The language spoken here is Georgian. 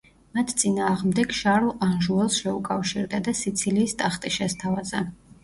მათ წინააღმდეგ შარლ ანჟუელს შეუკავშირდა და სიცილიის ტახტი შესთავაზა.